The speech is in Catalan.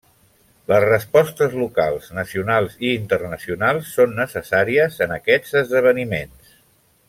Les respostes locals, nacionals i internacionals són necessàries en aquests esdeveniments.